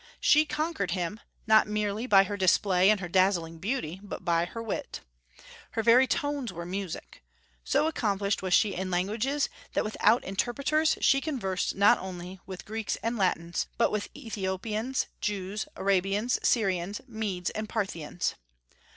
She conquered him, not merely by her display and her dazzling beauty, but by her wit. Her very tones were music. So accomplished was she in languages, that without interpreters she conversed not only with Greeks and Latins, but with Ethiopians, Jews, Arabians, Syrians, Medes, and Parthians.